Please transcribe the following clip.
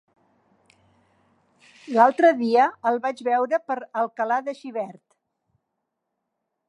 L'altre dia el vaig veure per Alcalà de Xivert.